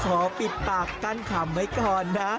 ขอปิดปากกั้นคำไว้ก่อนนะ